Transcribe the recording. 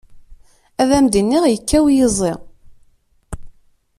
Ad am iniɣ yekkaw yiẓi.